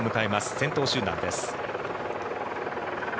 先頭集団です。